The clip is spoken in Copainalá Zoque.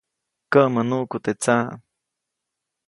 Käʼmäʼ nuʼku teʼ tsaʼ.